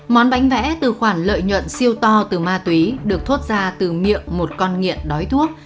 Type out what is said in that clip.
món bánh vẽ từ khoản lợi nhuận siêu to từ ma túy được thoát ra từ miệng một con nghiện đói thuốc